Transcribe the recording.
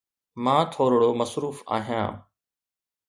مان ٿورڙو مصروف آهيان.